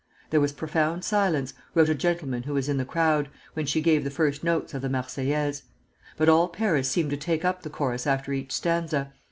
"There was profound silence," wrote a gentleman who was in the crowd, "when she gave the first notes of the 'Marseillaise;' but all Paris seemed to take up the chorus after each stanza.